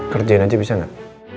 kerjain aja bisa nggak